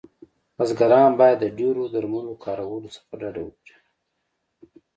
بزګران باید د ډیرو درملو کارولو څخه ډډه وکړی